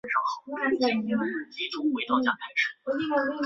比莱人口变化图示